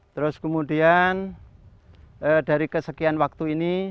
terus kemudian dari kesekian waktu ini